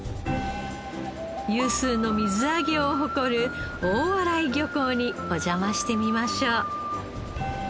有数の水揚げを誇る大洗漁港にお邪魔してみましょう。